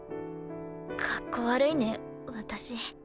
かっこ悪いね私。